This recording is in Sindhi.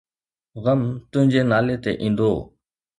غم تنهنجي نالي تي ايندو